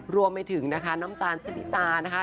รวมไปถึงนะคะน้ำตาลชะนิตานะคะ